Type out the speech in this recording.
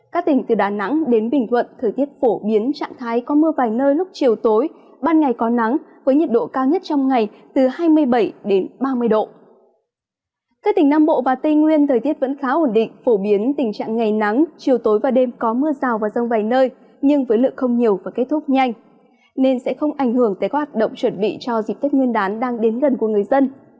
các tỉnh nam bộ và tây nguyên thời tiết vẫn khá ổn định phổ biến tình trạng ngày nắng chiều tối và đêm có mưa rào và rông vài nơi nhưng với lượng không nhiều và kết thúc nhanh nên sẽ không ảnh hưởng tới các hoạt động chuẩn bị cho dịp tết nguyên đán đang đến gần của người dân